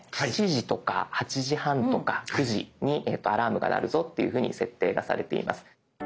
７時とか８時半とか９時にアラームが鳴るぞっていうふうに設定がされています。